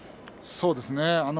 そうですね。